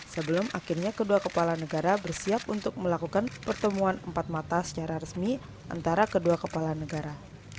sebelum akhirnya kedua kepala negara bersiap untuk melakukan pertemuan empat mata secara resmi antara kedua kepala negara